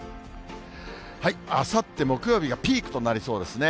あさって木曜日がピークとなりそうですね。